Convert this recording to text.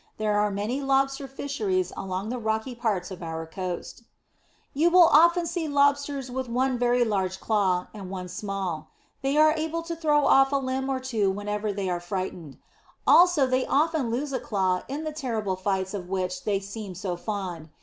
There are many lobster fisheries along the rocky parts of our coast. [Illustration: HERMIT CRAB WITH SEA FLOWERS.] You will often see Lobsters with one very large claw, and one small. They are able to throw off a limb or two whenever they are frightened. Also they often lose a claw in the terrible fights of which they seem so fond.